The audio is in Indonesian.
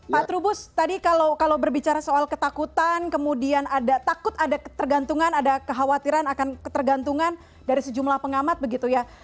pak trubus tadi kalau berbicara soal ketakutan kemudian ada takut ada ketergantungan ada kekhawatiran akan ketergantungan dari sejumlah pengamat begitu ya